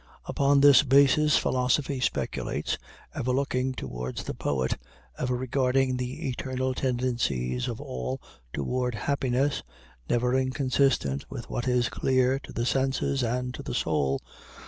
Upon this basis philosophy speculates, ever looking towards the poet, ever regarding the eternal tendencies of all toward happiness, never inconsistent with what is clear to the senses and to the soul.